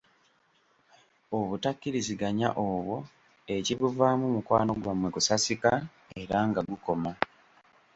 Obutakkiriziganya obwo, ekibuvaamu, mukwano gwammwe kusasika era nga gukoma.